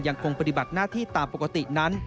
ยังคงปฏิบัติหน้าที่ตามปกตินั้น